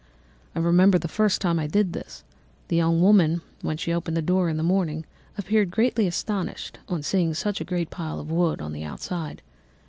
"I remember, the first time that I did this, the young woman, when she opened the door in the morning, appeared greatly astonished on seeing a great pile of wood on the outside.